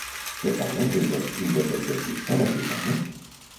Pertany al moviment independentista la Susanna?